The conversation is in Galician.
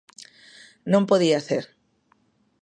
Non podía ser.